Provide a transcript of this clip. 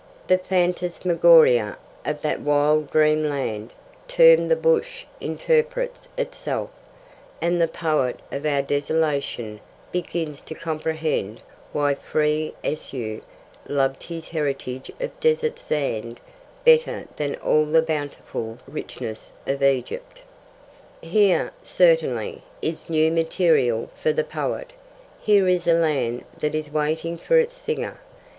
The phantasmagoria of that wild dream land termed the Bush interprets itself, and the Poet of our desolation begins to comprehend why free Esau loved his heritage of desert sand better than all the bountiful richness of Egypt. Here, certainly, is new material for the poet, here is a land that is waiting for its singer.